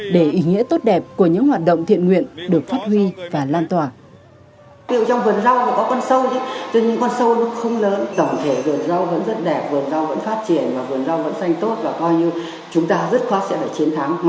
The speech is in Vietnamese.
để ý nghĩa tốt đẹp của những hoạt động thiện nguyện được phát huy và hành vi